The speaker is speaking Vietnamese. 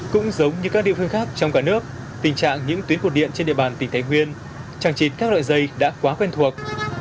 cũng giống như các địa phương khác trong cả nước tình trạng những tuyến cột điện trên địa bàn tỉnh thái nguyên chẳng chịt các loại dây đã quá quen thuộc